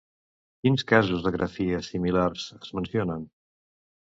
Quins casos de grafies similars es mencionen?